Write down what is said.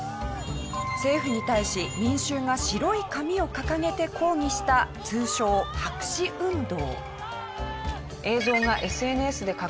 政府に対し民衆が白い紙を掲げて抗議した通称白紙運動。